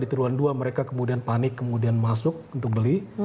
di triwulan dua mereka kemudian panik kemudian masuk untuk beli